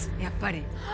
やっぱり！